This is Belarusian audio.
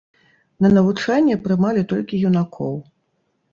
На навучанне прымалі толькі юнакоў.